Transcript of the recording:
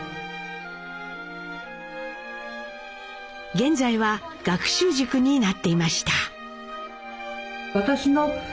現在は学習塾になっていました。